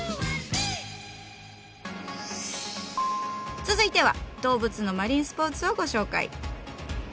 続いては動物のマリンスポーツをご紹介。